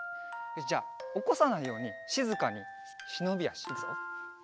よしじゃあおこさないようにしずかにしのびあしいくぞ。